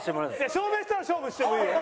証明したら勝負していいよ。